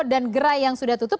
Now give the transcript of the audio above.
dan gerai yang sudah tutup